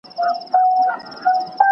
څه را مه که، زړه مي ازار مه که.